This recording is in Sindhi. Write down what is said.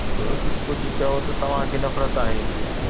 ڪجهه چئو ته توهان کي نفرت آهي